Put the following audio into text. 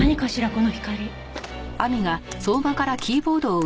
この光。